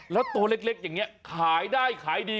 แล้วตัวเล็กอย่างนี้ขายได้ขายดี